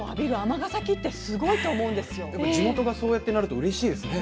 やっぱ地元がそうやってなるとうれしいですね。